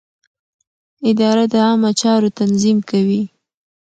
اداره د عامه چارو تنظیم کوي.